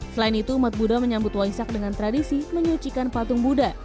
selain itu umat buddha menyambut waisak dengan tradisi menyucikan patung buddha